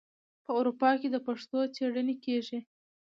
په اروپا کې د پښتو څیړنې کیږي.